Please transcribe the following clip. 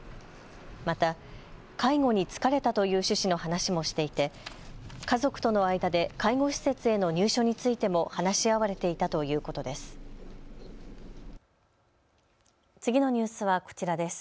また、介護に疲れたという趣旨の話もしていて家族との間で介護施設への入所についても話し合われていたということです。